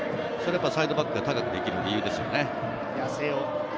サイドバックが高くできる理由ですね。